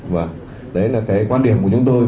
và đấy là cái quan điểm của chúng tôi